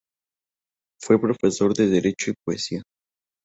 Fue profesor de derecho y poesía.